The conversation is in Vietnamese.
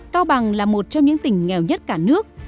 cao bằng là một trong những tỉnh nghèo nhất cả nước